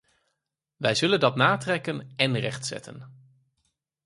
Wij zullen dat natrekken en rechtzetten.